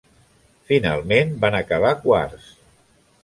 Finalment van acabar quarts.